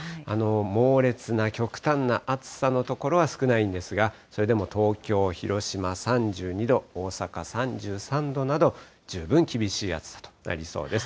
猛烈な、極端な暑さの所は少ないんですが、それでも東京、広島３２度、大阪３３度など、十分厳しい暑さとなりそうです。